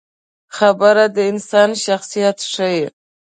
خبره د انسان شخصیت ښيي.